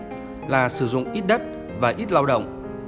tỉnh cũng sử dụng ít đất và ít lao động